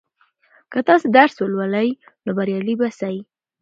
که تاسې درس ولولئ نو بریالي به سئ.